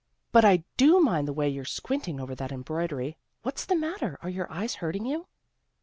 " But I do mind the way you're squinting over that embroidery. What's the matter? Are your eyes hurting you?